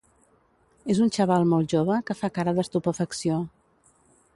És un xaval molt jove que fa cara d'estupefacció.